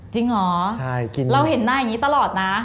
จริงเหรอเราเห็นหน้าอย่างนี้ตลอดนะ